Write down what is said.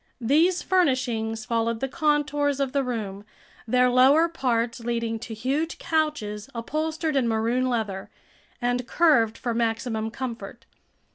These furnishings followed the contours of the room, their lower parts leading to huge couches upholstered in maroon leather and curved for maximum comfort.